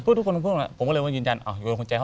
พูดผมก็เลยว่าอยู่ในห้องของใจ